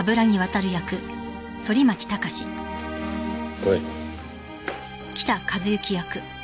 来い。